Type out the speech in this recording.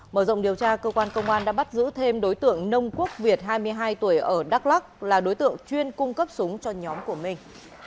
mở rộng điều tra cơ quan công an đã bắt giữ thêm đối tượng nông quốc việt hai mươi hai tuổi ở đắk lắc là đối tượng chuyên cung cấp súng cho nhóm của mình